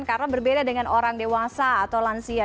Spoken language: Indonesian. karena berbeda dengan orang dewasa atau lansia